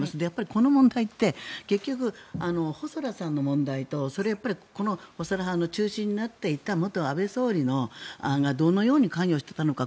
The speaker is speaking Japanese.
この問題って結局、細田さんの問題と細田派の中心になっていた安倍元総理がどのように関与していたのか。